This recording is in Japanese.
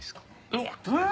えっ。